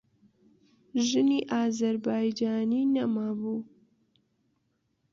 ژنی ئازەربایجانیی نەمابوو.